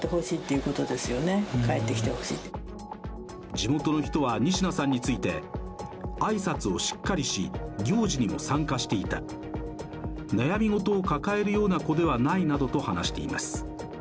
地元の人は仁科さんについて、挨拶をしっかりし、行事にも参加していた、悩み事を抱えるような子ではないなどと話しています。